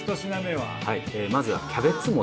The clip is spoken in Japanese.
はいまずはキャベツ餅。